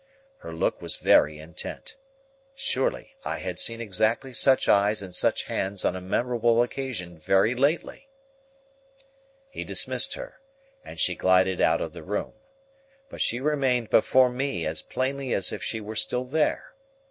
Her look was very intent. Surely, I had seen exactly such eyes and such hands on a memorable occasion very lately! He dismissed her, and she glided out of the room. But she remained before me as plainly as if she were still there.